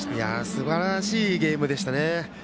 すばらしいゲームでしたね。